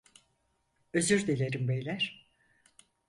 Özür dilerim beyler.